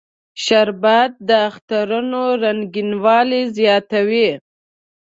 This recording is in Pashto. شربت د اخترونو رنگینوالی زیاتوي